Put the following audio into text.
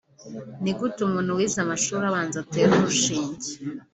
ni gute umuntu wize amashuri abanza atera urushinge